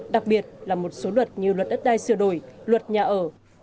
đặc biệt là một số luật như luật đất đai sửa đổi luật nhà ở